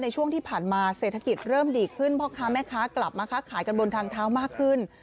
ช่วงที่ผ่านมาเศรษฐกิจเริ่มดีขึ้นพ่อค้าแม่ค้ากลับมาค้าขายกันบนทางเท้ามากขึ้น